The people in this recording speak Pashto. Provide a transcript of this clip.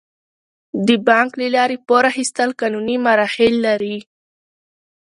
د بانک له لارې پور اخیستل قانوني مراحل لري.